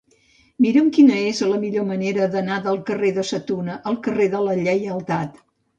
Mira'm quina és la millor manera d'anar del carrer de Sa Tuna al carrer de la Lleialtat.